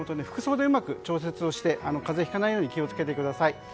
服装でうまく調節して風邪をひかないように気を付けてください。